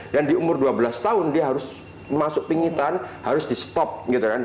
dan di umur dua belas tahun dia harus masuk pingitan harus di stop gitu kan